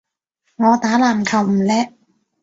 我打籃球唔叻